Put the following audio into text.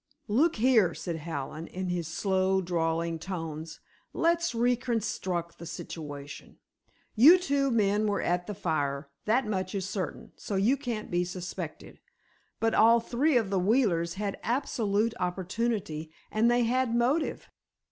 "Look here," said Hallen, in his slow, drawling tones, "let's reconstruct the situation. You two men were at the fire—that much is certain—so you can't be suspected. But all three of the Wheelers had absolute opportunity, and they had motive.